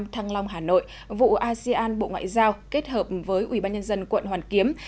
một nghìn một mươi năm thăng long hà nội vụ asean bộ ngoại giao kết hợp với ubnd quận hoàn kiếm